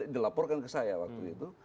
dilaporkan ke saya waktu itu